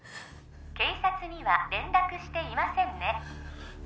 警察には連絡していませんね？